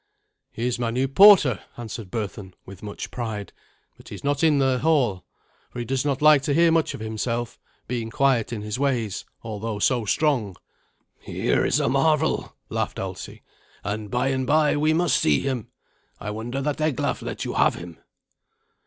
"He is my new porter," answered Berthun, with much pride; "but he is not in the hail, for he does not like to hear much of himself, being quiet in his ways, although so strong." "Here is a marvel," laughed Alsi, "and by and by we must see him. I wonder that Eglaf let you have him."